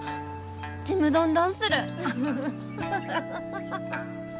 ちむどんどんする。